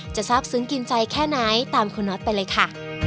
ทราบซึ้งกินใจแค่ไหนตามคุณน็อตไปเลยค่ะ